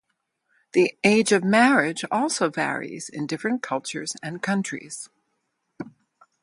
The age of marriage also varies in different cultures and countries.